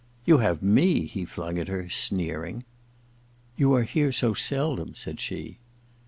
• You have me !' he flung at her, sneeringly. * You are here so seldom,' said she.